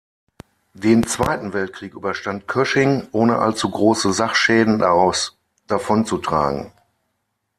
Den Zweiten Weltkrieg überstand Kösching, ohne allzu große Sachschäden daraus davonzutragen.